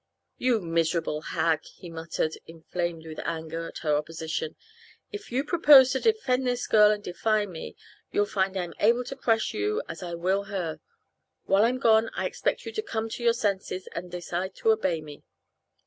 "You miserable hag!" he muttered, inflamed with anger at her opposition. "If you propose to defend this girl and defy me, you'll find I'm able to crush you as I will her. While I'm gone I expect you to come to your senses, and decide to obey me."